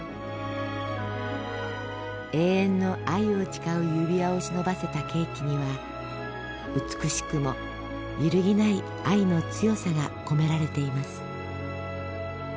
永遠の愛を誓う指輪を忍ばせたケーキには美しくも揺るぎない愛の強さが込められています。